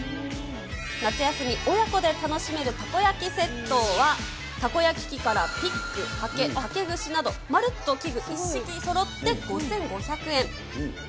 夏休み、親子で楽しめるたこ焼きセットは、タコ焼き器からピック、はけ、竹串など、まるっと器具一式そろって５５００円。